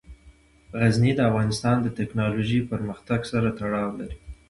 غزني د افغانستان د تکنالوژۍ پرمختګ سره تړاو لري.